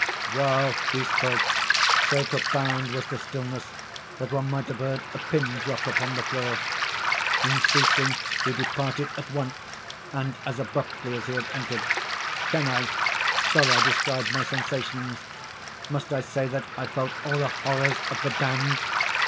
While he spoke, so profound was the stillness that one might have heard a pin drop upon the floor. In ceasing, he departed at once, and as abruptly as he had entered. Can I—shall I describe my sensations? Must I say that I felt all the horrors of the damned?